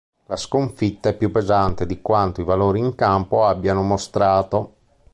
La sconfitta è più pesante di quanto i valori in campo abbiano mostrato.